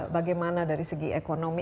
bagaimana dari segi ekonomi